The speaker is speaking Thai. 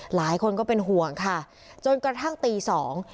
หลายคนก็เป็นห่วงค่ะจนกระทั่งตีสอง